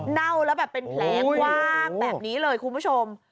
เน่าแล้วแบบเป็นแผลกว้างแบบนี้เลยคุณผู้ชม